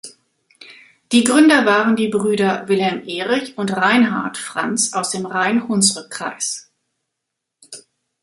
Die Gründer waren die Brüder Wilhelm-Erich und Reinhard Franz aus dem Rhein-Hunsrück-Kreis.